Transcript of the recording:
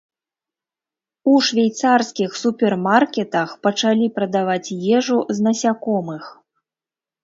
У швейцарскіх супермаркетах пачалі прадаваць ежу з насякомых.